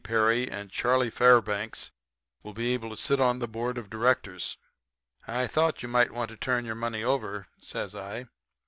Peary and Charlie Fairbanks will be able to sit on the board of directors.' "'I thought you might want to turn your money over,' says I.